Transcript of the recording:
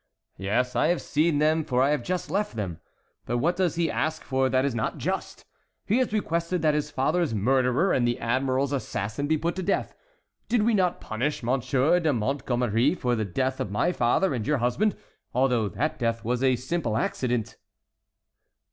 "Yes; I have seen them, for I have just left them. But what does he ask for that is not just? He has requested that his father's murderer and the admiral's assassin be put to death. Did we not punish M. de Montgommery for the death of my father and your husband, although that death was a simple accident?"